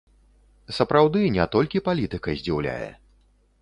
Сапраўды, не толькі палітыка здзіўляе.